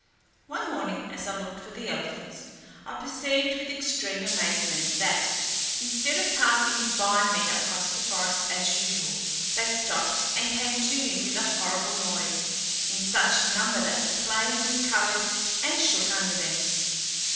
One morning, as I looked for the elephants, I perceived with extreme amazement, that, instead of passing by me across the forest as usual, they stopped, and came to me with a horrible noise, in such number that the plain was covered, and shook under them.